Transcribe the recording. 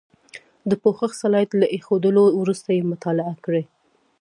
د پوښښ سلایډ له ایښودلو وروسته یې مطالعه کړئ.